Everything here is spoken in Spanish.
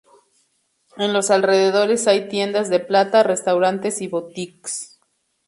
En los alrededores hay tiendas de plata, restaurantes y boutiques.